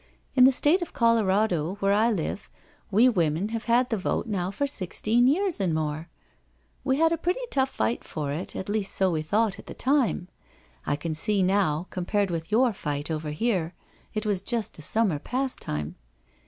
In the State of Colorado, where I live, we women have had the vote now for sixteen years and more. We had a pretty tough fight for it, at least so we thought at the time. I can see now, compared with your fight over here, it was just a summer pastime.